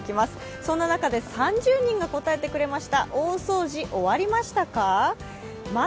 そんな中で３０人が答えてくれました。